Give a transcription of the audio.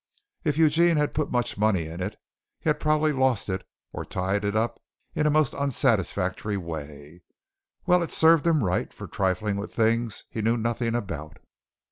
If Eugene had put much money in it, he had probably lost it or tied it up in a most unsatisfactory way. Well, it served him right for trifling with things he knew nothing about.